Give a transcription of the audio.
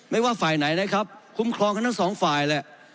ว่าฝ่ายไหนนะครับคุ้มครองกันทั้งสองฝ่ายแหละ